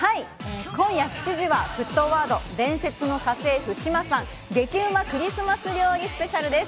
今夜７時は『沸騰ワード』伝説の家政婦・志麻さん、激うまクリスマス料理スペシャルです。